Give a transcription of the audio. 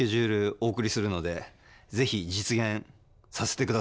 お送りするので是非実現させてください。